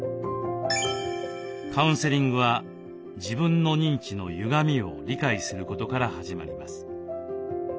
カウンセリングは自分の認知のゆがみを理解することから始まります。